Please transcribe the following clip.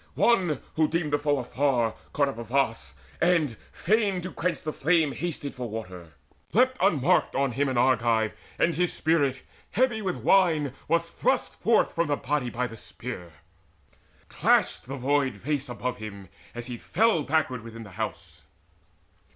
One, who deemed the foe afar, Caught up a vase, and, fain to quench the flame, Hasted for water. Leapt unmarked on him An Argive, and his spirit, heavy with wine, Was thrust forth from the body by the spear. Clashed the void vase above him, as he fell Backward within the house.